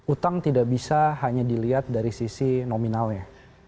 utang tidak bisa hanya dilihat dari sisi nominalnya